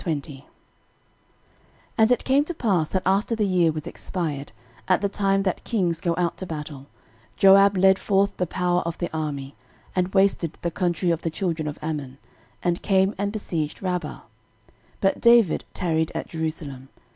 13:020:001 And it came to pass, that after the year was expired, at the time that kings go out to battle, Joab led forth the power of the army, and wasted the country of the children of Ammon, and came and besieged Rabbah. But David tarried at Jerusalem.